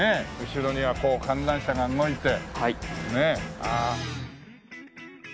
後ろにはこう観覧車が動いて。